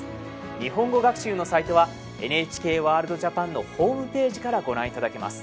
日本語学習のサイトはＮＨＫワールドＪＡＰＡＮのホームページからご覧いただけます。